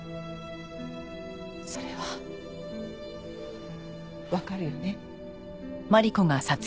それはわかるよね？